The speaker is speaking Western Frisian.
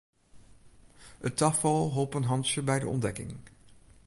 It tafal holp in hantsje by de ûntdekking.